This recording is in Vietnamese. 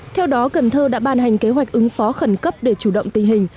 theo đó cần thơ đã ban hành kế hoạch ứng phó khẩn cấp để chủ động tình hình